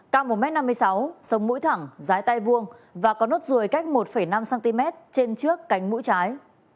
cao một m năm mươi sáu sống mũi thẳng dài tay vuông và có nốt ruồi cách một năm cm trên trước cánh mũi trái